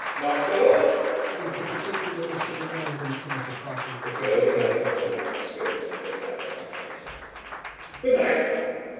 "Marcella!" called a distant voice from the hall. The girl gathered up her white skirts and her flowers in haste. "Good night!"